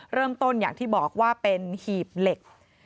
เริ่มต้นอย่างที่บอกว่าเป็นหีบเหล็ก